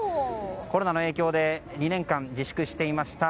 コロナの影響で２年間自粛していました